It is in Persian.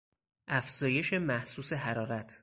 افزایش محسوس حرارت